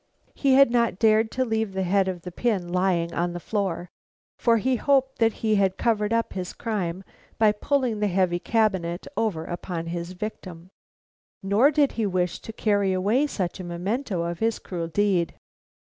He had not dared to leave the head of the pin lying on the floor, for he hoped that he had covered up his crime by pulling the heavy cabinet over upon his victim; nor did he wish to carry away such a memento of his cruel deed.